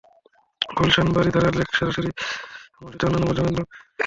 Gulshan-Baridhara lake সরাসরি পয়োবর্জ্য এবং মানুষের তৈরি অন্যান্য বর্জ্যের মাধ্যমে দূষিত হচ্ছে।